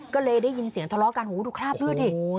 ก็เลยได้ยินเสียงทะเลาะกันหูดูคราบเลือดดิ